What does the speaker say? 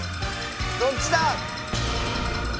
どっちだ？